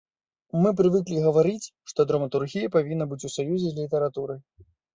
Мы прывыклі гаварыць, што драматургія павінна быць у саюзе з літаратурай.